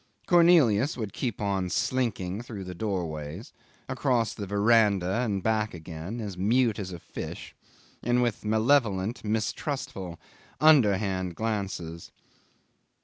Cornelius would keep on slinking through the doorways, across the verandah and back again, as mute as a fish, and with malevolent, mistrustful, underhand glances.